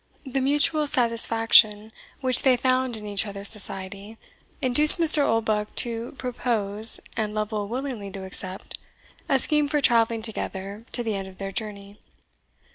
The mutual satisfaction which they found in each other's society induced Mr. Oldbuck to propose, and Lovel willingly to accept, a scheme for travelling together to the end of their journey.